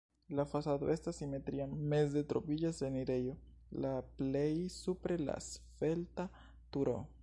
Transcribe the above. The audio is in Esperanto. La fasado estas simetria, meze troviĝas la enirejo, la plej supre la svelta turo.